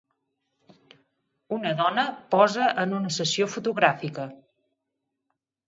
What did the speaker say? Una dona posa en una sessió fotogràfica.